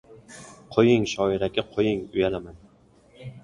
— Qo‘ying, shoir aka, qo‘ying, uyalaman.